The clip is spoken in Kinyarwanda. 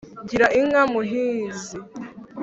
gira inka muhizi